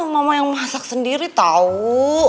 mama yang masak sendiri tahu